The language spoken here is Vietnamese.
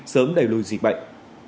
sớm đẩy lùi dịch bệnh